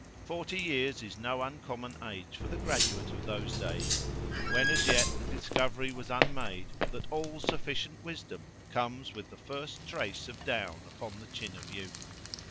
Forty years is no uncommon age for the graduate of those days, when as yet the discovery was unmade, that all sufficient wisdom comes with the first trace of down upon the chin of youth.